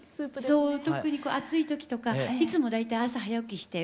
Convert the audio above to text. そう特に暑い時とかいつも大体朝早起きして運動してますので。